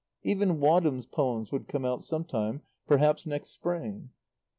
Even Wadham's poems would come out some time, perhaps next spring.